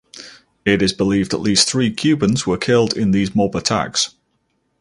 It is believed at least three Cubans were killed in these mob attacks.